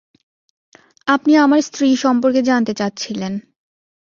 আপনি আমার স্ত্রী সম্পর্কে জানতে চাচ্ছিলেন।